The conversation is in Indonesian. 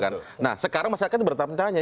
nah sekarang masyarakat bertanya tanya